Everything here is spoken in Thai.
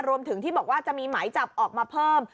รวมถึงที่บอกว่าจะมีหมายจับออกมาเพิ่ม